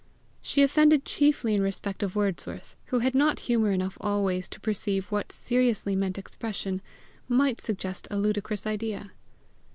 She offended chiefly in respect of Wordsworth who had not humour enough always to perceive what seriously meant expression might suggest a ludicrous idea.